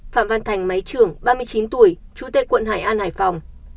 phạm văn thành máy trưởng ba mươi chín tuổi trú tại quận hải an hải phòng